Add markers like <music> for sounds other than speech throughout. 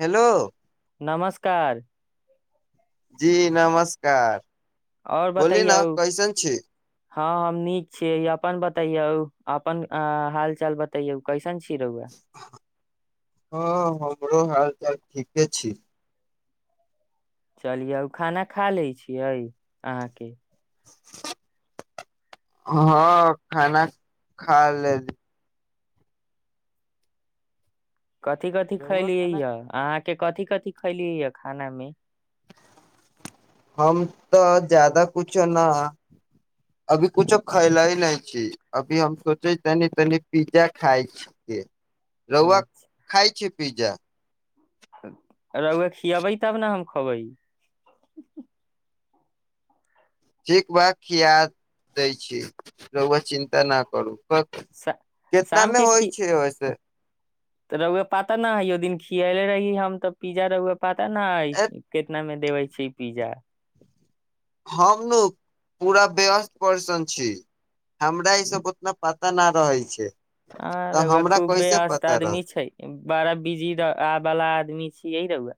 hello नमस्कार जी नमस्कार और बोली ना बतैयौ कैसन छी हँ हम नीक छीय अपन बतैयो अपन हाल चाल बतैयो कैसन छी की रउवा हँ हमरो हालचाल ठीके छै चलियौ ओ खाना खा लै छियै अहाँके हँ खाना खा ले कथी कथि रौआ खैलियै खाना यऽ अहाँ के कथि कथि खैलियै यऽ खाना मे हम तऽ ज्यादा कुछो ने अभी कुछो खयले ही नहि छी अभी हम सोचे तनि तनि पिज्जा खाय छियै रआ अच्छा खाय छै पिज्जा रऊवे खियेबै तब ने हम खेबय ठीक बा खिया दै छी रऊवा चिन्ता न करू श केितना मे होइ छै ओसे तऽ रउवा पाता न हइ ओ दिन खियले रही हम तऽ पिजा रउवा पता न ए, कितना मे देबे छै पिज्जा हम न पूरा व्यस्त पर्सन छी हमरा ई सब उतना पता नहि रहै छै आर तऽ उह हमरा खूब कैसे वस्त पता आदमी रहत छै बड़ा बिजी आवालला आदमी से यै रहब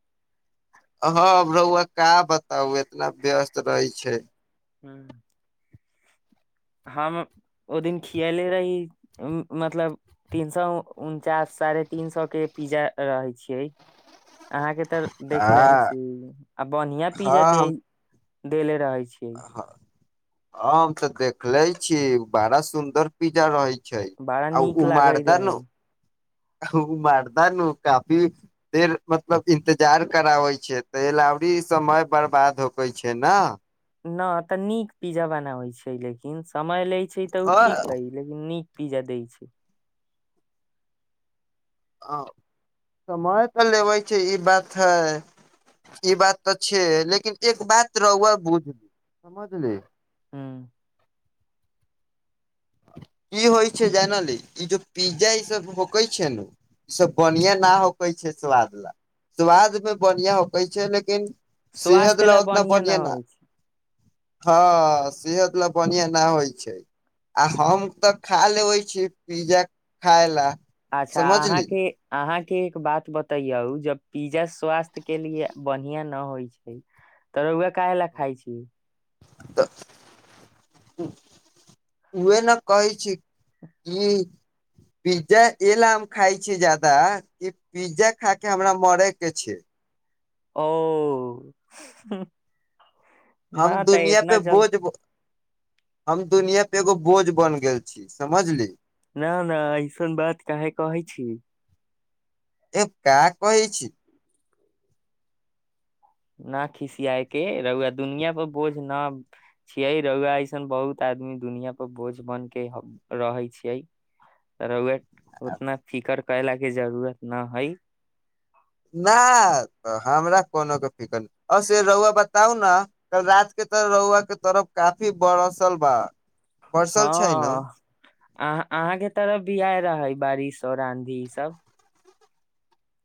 हँ रहुआ का बताउ एतना व्यस्त रहै छै हँ हम ओ दिन खियले रही मतलब तीन सौ उनचास साढ़े तीन सौ के पिज्जा रहै छियै अहाँके तऽ देख लेही आ छी आ बढ़िया पिज्जा दे देेले रहै छै आ हँ ह हम तऽ देखले छी बड़ा सुंन्दर पिज्जा रहे छै छै बड़ा आउ नीक लागे उमरदा न रहै ओ मारद ने काफी देर मतलब इन्तजार कराबै छै तऽ एलाउरी समय बर्बाद होकै छै ने न तऽ नीक पिज्जा बनाबै छैै लेकिन समय लै छै तऽ ओ हँ ठीक हइ लेकिन नीक पिज्जा देय छै आ समय तऽ लेबै छै ई बात है ई बात तऽ छै लेकिन एक बात रौआ बुझ समझली हँ की होइ छै जानली ई जो पिज्जा ई सब होकेय छै नू ईसभ बढ़िआ न होकैय छै स्वाद ला स्वाद मे बढ़िआ होक छै लेकिन सेहत स्वास्थ्य लऽ ला उतना न बढ़िया ना होइ छै हँ सेहद लऽ बढ़िआ ना होइ छै आ हम तऽ खा लेबे छी पिज्जा खाय लऽ अच्छा अहाँके अहाँ के एक बात बतैयौ जब पिज्जा स्वास्थ्य के लिए बढ़िया न होइ छै तऽ रौआ काहे लऽ खाय छी तऽ उह न कहै छी कि पिज्जा ए ल हम खाइ छी जादा कि पिज्जा खा के हमरा मरे के छै ओ हु हम दुनिया पे बोझ हम दुनिया पे एगो बोझ बन गेल छी समझली ना ना ऐसन बात काहे कहै छी ए का कहे छी न खिसियाए के रौआ दुनिया पर बोझ न छियै रौआ ऐसन बहुत आदमी दुनिया पर बोझ बन के रहै छियै रौआ उतना फिकर कयला के जरूरत न हइ ना त हमरा कोनो कऽ फिकर नइ से रौआ बताउ न कल रात के तऽ रौआ के तरफ काफी बरसल बा हँ पर्सल छै नू अहाँ अहाँके तरफ भी आय रहै बारिश आओर आँधी ई सब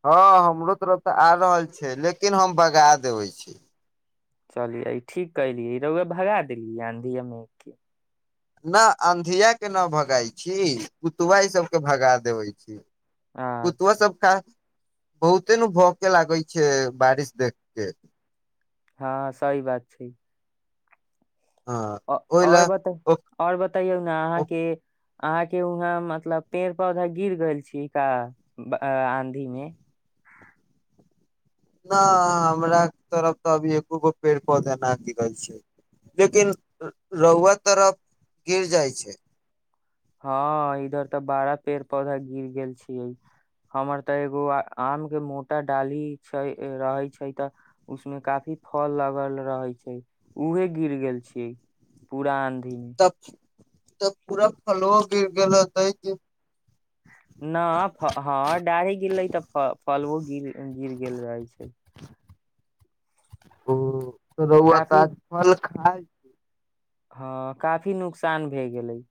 हँ हमरो तरफ तऽ आ रहल छै लेकिन हम बगा देबै छी चलिय ई ठीक कलियै रौेआ भगा देली आँधी अ मे केँ न अंधिया के न भगई छी कुतवा ई सबके भगा देबै छी अच्छा कुत्तबा सब खा बहुते ने भौके लागै छै बारिश देखके हँ सहि बात छै हँ ओहि ला आओर बता ओ आओर बतैयौ न ओ अहाँके अहाँके उहाँ मतलब पेड़ पौधा गिर गेल छी का आंधी मे न हमरा तरफ तऽ अभी एको गो पेड़ पौधा न गिरल छै लेकिन रौआ तरफ गिर जाइ छै हँ इधर तऽ बाड़ा पेड़ पौधा गिर गेल छियै हमर तऽ एगो आम के मोटा डाली छै रहै छै तऽ उसमे काफी फल लगल रहे छै उहे गिर गेल छियै पुरा आंधी बिन तब तऽ पूरा फलो गिर गेल हतै कि न फ हँ डाढ़ी गिरले तऽ फ फलवो गिर गिर गेल रहै छै हँ रौआ त काफी आज फल खाय हँ काफी नुकसान भए गेलै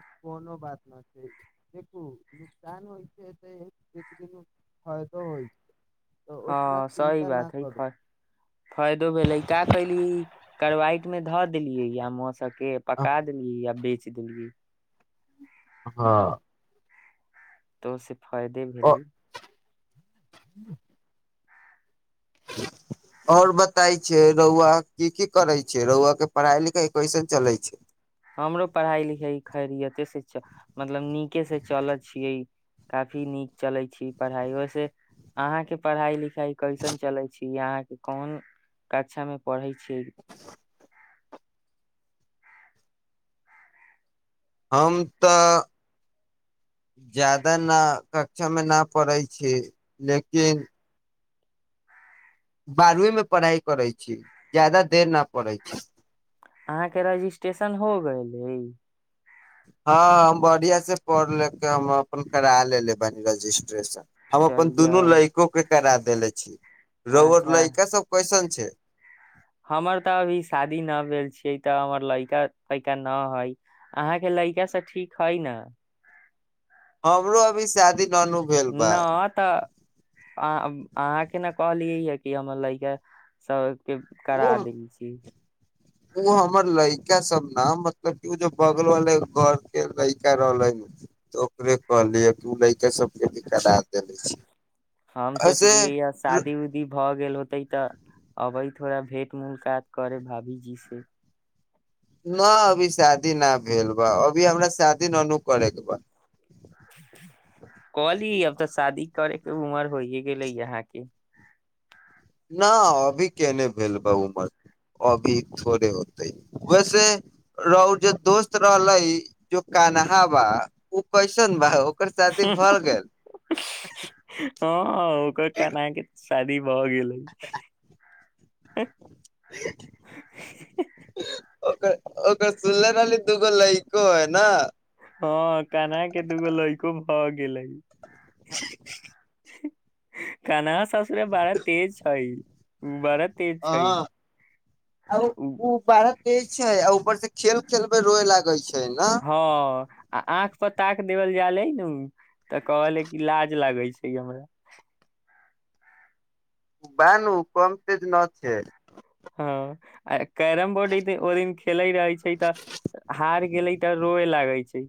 आ कोनो बात न छै देखू नुकसान होइ छै तऽ दरी फायदो होइ छै तऽ उतना हँ सही चिन्ता न बात है करू फ फायदो भेलैका कली करवाइट मे धऽ देलियै या माँ सबके पका देलियै या बेच देलियै हँ तऽ से फायदे भेलै ह <unintelligible> आओर बतायी छै रौआ की की करै छै रौआ के पढ़ाइ लिखाइ कैसन चलै छै हमरो पढ़ाइ लिखाइ खैरियते से च मतलब नीके से चलैत छियै काफी नीक चलै छी पढ़ाइ ओहिसे अहाँके पढ़ाइ लिखाइ कैसन चलै छी अहाँके कोन कक्षामे पढ़ै छियै हम तऽ जा्यदा नहि कक्षामे नहि पढ़ै छी लेकिन बारवीं मे पढ़ाइ करै छी ज्यादा देर न पै छी अहाँके रजिस्ट्रेशन हो गेले हँ हम बढ़आ से पढ़ लेके हम अपन करा लेलेे ब रजिस्ट्रेशन हम अपन चलियै दुनू लायको के करा देले छी रवर अच्छा लइका का सब क्वेशन छै हमर तऽ अभी शादी न भेल छियै तऽ हमर लड़िका लैका न हइ अहाँके लड़का से ठीक हइ ने हमरो अभी शादी नु भेल बा अ अहाँके ने कहलियै ह कि हमर लागके के ओ करा देल छी ओ हमर लड़िका सब ने मतलब कि ओ जे बगलवे घर के लड़का रहले तऽ ओकरे कहलिय कि ओ लैका सबके भी करा देेले छै हम सोचलियै या शादी उदी भऽ गेल होते तऽ अबै थोरा भेट मूलकात करब भाभी जी से न अभी शादी न भेल बा अभी हमरा शादी ननू करैके बा कहली अब तऽ शादी करेके उमर होइए गेलै यहाके न अभी केने भेल बा उमर अभी थोड़े होते वैसे रह जे दोस्त रहले जो कन्हाबा ओ कैसन भा ओकर शादी भ गेल हूँ ह ओकर कहना है कि ती ब गेल लै ओकर ओकर सुनले रहली दूग लैक हई नहि हँ कान के दु गो लहिको भऽ गेलै <unintelligible> कानस सास बड़ा तेज छै बड़ा तेज छै हँ आ उ उ बड़ा छै आ ऊपर से खेल खेलबे रोय लागे छै न हँ आ आँख पर ताक देवल जाल हे न तऽ कहलै कि लाज लागै छै हमरा बनू कमतेज न छै हँ आ कैरम बोर्ड ओ दिन खेले रहे छै तऽ हार गेले तऽ रोए लागे छै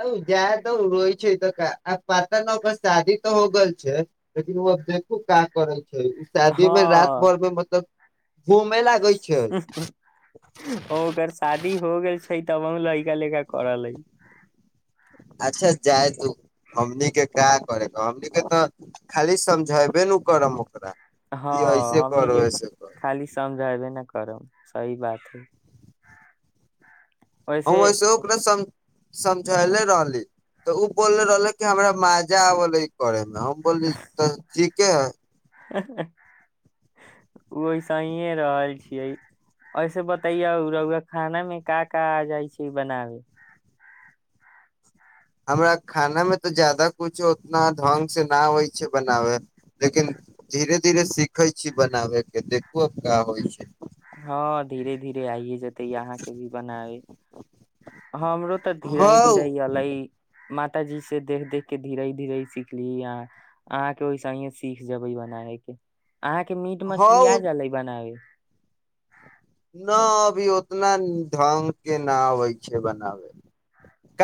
आ जाय त रोय छै तऽ आ पात न पर शादी तऽ हो गेलल छै लेकिन ओब देखू का करै छ हँ शादीमे रात भर मे मतलब वो म लाग ओकर शादी हो गेल छै तब लड़का लड़का करल है जा तू हमनीक के क्य करे हमन के तऽ खाली समझेबे न करम ओकरा कि ऐसे हँ हमनी करो जे ऐसे करो खाली समझब ने करब सही बात हइ आ वैसे ओ सम समझेले रहली तऽ ओ बोलले रहले कि हमरा मजा आबले करे मे बोली तऽ ठीीके है ओहिसहिए रहल छियै ऐसे बतैया खाना मे का का आ जाइ छै बनाबे हमरा खाना मे तऽ जादा कुछो उतना ढंग से न आबै छै बनाबे लेकिन धीरे धीरे सीखै छी बनाबे के देखूब क होइ छै हँ धीरे धीरे आइए र तऽ धीरे हौ धीरे अलै साताजी से देख देख के धीरे धीरे सिखली आ अहाँके ओहिसेहिे सीख जेबै बनाे के अहाँके मीट मछली आ हौ जाले बनाबे न अभी उतना ढ्ंग के न अबै छै बनाबे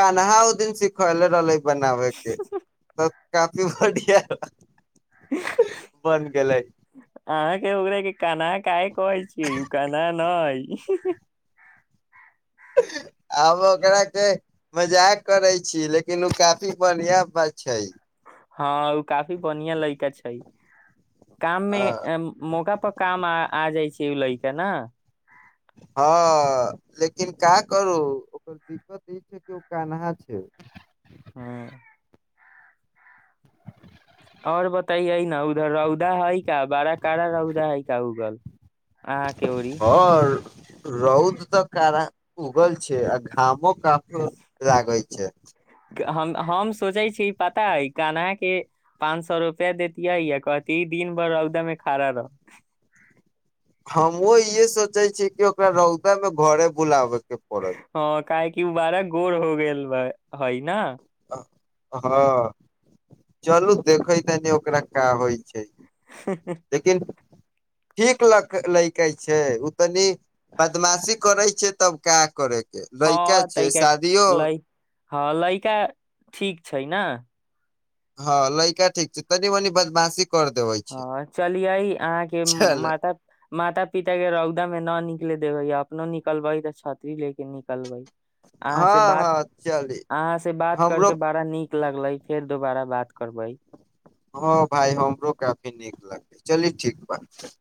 कानहाउ दिन सिक खइले ल लै बना होै कफी बढियां ह ह अहाँके हो रहे कान काय कहै छियै य कना न <unintelligible> आब ओकरा के मजाक करे छी लेकिन ओ काफी बढ़िया बात छै हँ ओ काफी बढ़िया लड़िका छै काम मे मोगा पर काम आ जाइ छै लैका ने हँ लेकिन का करू ओकर दिक्कत ई छै कि ओ कन्हा छै हुँ आओर बताइएै न उधर रौदा है का बारा कड़ा रौदा है क्य उगल अहाँ के ओरी आओर रौद तऽ कारा उगल छै आ घामो काफी लागै छै हम हम सोचै छी पता है कने पाँच सए रुपआ देैतियै य कथ दिन भर रौदम खड़ा रह हमहुँ इहे सोचै छीयै कि ओकरा रौदा मे घरे बुलाबै हाँ काहे की ई उ बारा गोर हो गेल हय न हँ चलू देखै तनी ओकरा का होइ छै लेकिन ठीक ल लैक छै ओ तनी बदमाशी करै छै तब का करे हँ तैा ल हँ लइिका ठीक छै छै ने हँ लका ठीक छै तनी मनी बदमाशी कर देबै छै हँ चलियै अहाँ के चल माता माता पिता के रौदा मे न न देबै अपनों निकलबाई तऽ छाती लेके निकलबै अहाँ हँ ब हँ चली अहाँ से बात हमरो करके बड़ा नीक लगलै फेर दोबारा बात करबै हँ भााय हमरो काफी नीक लगतै चलि ठीक बात छै